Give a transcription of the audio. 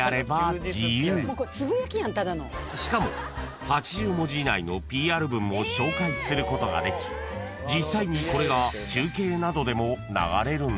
［しかも８０文字以内のＰＲ文も紹介することができ実際にこれが中継などでも流れるんです］